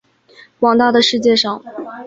广大的世界上